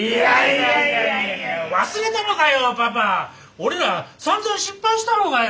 俺らさんざん失敗したろうがよ。